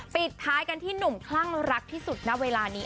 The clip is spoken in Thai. ปิดท้ายกันที่หนุ่มคลั่งรักที่สุดณเวลานี้